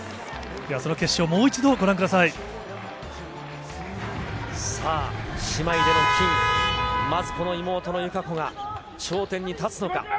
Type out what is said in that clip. ではその決勝、もう一度ご覧さあ、姉妹での金、まずこの妹の友香子が、頂点に立つのか。